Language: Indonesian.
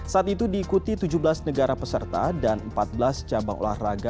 saat itu diikuti tujuh belas negara peserta dan empat belas cabang olahraga